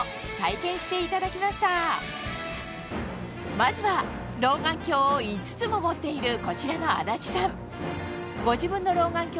まずは老眼鏡を５つも持っているこちらの安達さん